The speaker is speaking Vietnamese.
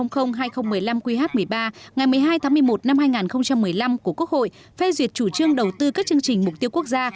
ngày hai mươi hai tháng một mươi một năm hai nghìn một mươi năm của quốc hội phê duyệt chủ trương đầu tư các chương trình mục tiêu quốc gia